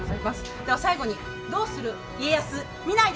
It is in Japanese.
では最後に「どうする家康」見ないで？